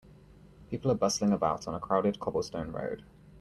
People are bustling about on a crowded cobblestone road.